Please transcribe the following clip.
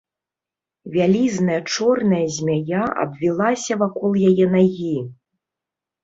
Вялізная чорная змяя абвілася вакол яе нагі.